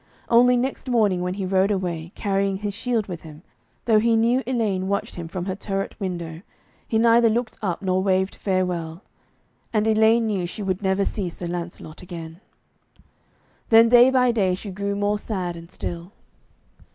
Only, next morning when he rode away, carrying his shield with him, though he knew Elaine watched him from her turret window, he neither looked up nor waved farewell. And Elaine knew she would never see Sir Lancelot again. Then day by day she grew more sad and still.